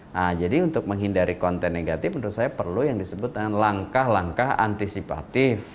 nah jadi untuk menghindari konten negatif menurut saya perlu yang disebut dengan langkah langkah antisipatif